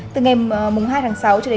từ ngày hai tháng sáu cho đến